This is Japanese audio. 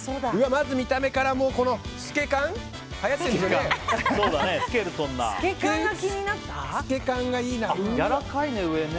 まず、見た目から透け感がいいな。